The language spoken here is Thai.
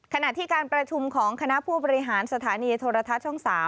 ขณะที่การประชุมของคณะผู้บริหารสถานีโทรทัศน์ช่อง๓